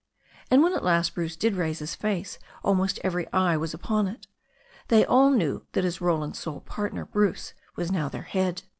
And when at last Bruce did raise his face almost every eye was upon it. They all knew that as Roland's sole part ner Bruce was now their head.